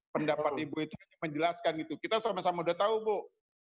pendapat ibu itu hanya menjelaskan gitu kita sama sama udah tahu bu